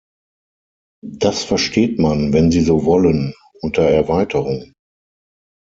Das versteht man, wenn Sie so wollen, unter Erweiterung.